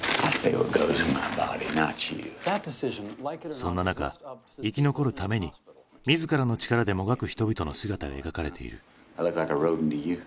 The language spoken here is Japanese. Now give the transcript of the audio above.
そんな中生き残るために自らの力でもがく人々の姿が描かれている。